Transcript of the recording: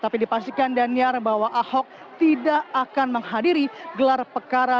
tapi dipastikan daniar bahwa ahok tidak akan menghadiri gelar perkara